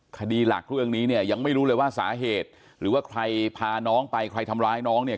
คดีหลักเรื่องนี้เนี่ยยังไม่รู้เลยว่าสาเหตุหรือว่าใครพาน้องไปใครทำร้ายน้องเนี่ย